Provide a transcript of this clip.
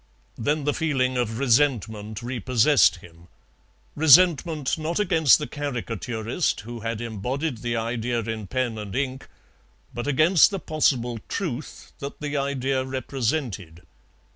Then the feeling of resentment repossessed him, resentment not against the caricaturist who had embodied the idea in pen and ink, but against the possible truth that the idea represented.